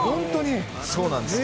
そうなんです。